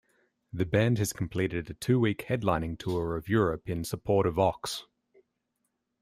The band has completed a two-week headlining tour of Europe in support of "Ox".